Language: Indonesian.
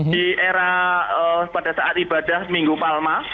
di era pada saat ibadah minggu palma